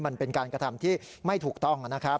มันเป็นการกระทำที่ไม่ถูกต้องนะครับ